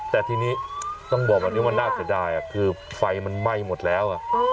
แต่ทีนี้ต้องบอกแบบนี้ว่าน่าเสียดายคือไฟมันไหม้หมดแล้ว